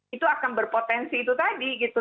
itu akan berpotensi itu tadi gitu